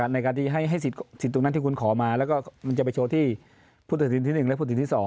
ในการที่ให้สิทธิ์ตรงนั้นที่คุณขอมาแล้วก็มันจะไปโชว์ที่พุทธศิลป์ที่๑และพุทธศิลป์ที่๒